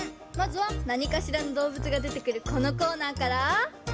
まずはなにかしらのどうぶつがでてくるこのコーナーから。